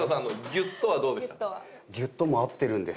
「ギュッと」も合ってるんです。